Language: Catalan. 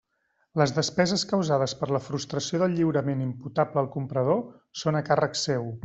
Les despeses causades per la frustració del lliurament imputable al comprador són a càrrec seu.